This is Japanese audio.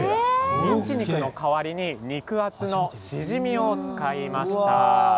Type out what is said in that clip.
ミンチ肉の代わりに肉厚のシジミを使いました。